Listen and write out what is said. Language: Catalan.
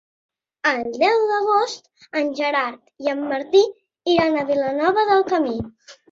El deu d'agost en Gerard i en Martí iran a Vilanova del Camí.